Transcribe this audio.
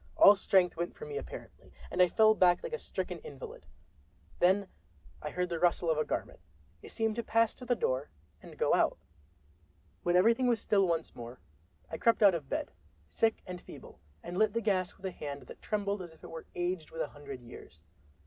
All strength went from me apparently, and I fell back like a stricken invalid. Then I heard the rustle of a garment—it seemed to pass to the door and go out. When everything was still once more, I crept out of bed, sick and feeble, and lit the gas with a hand that trembled as if it were aged with a hundred years.